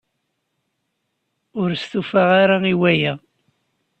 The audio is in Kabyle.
Ur stufaɣ ara i waya.